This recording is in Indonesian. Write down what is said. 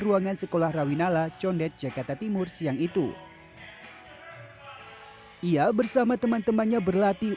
ruangan sekolah rawinala condet jakarta timur siang itu ia bersama teman temannya berlatih